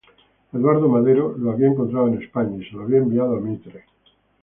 Eduardo Madero lo había encontrado en España y se lo había enviado a Mitre.